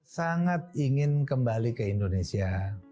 sangat ingin kembali ke indonesia